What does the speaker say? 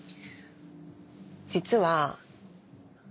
実は。